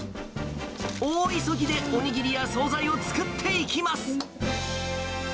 大急ぎでお握りや総菜を作っていきます。